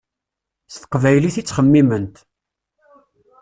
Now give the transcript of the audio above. S teqbaylit i ttxemmiment.